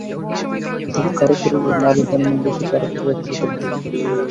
তাঁদের কারও শরীরে নারী হরমোন বেশি, কারও শরীরে পুরুষের হরমোন বেশি।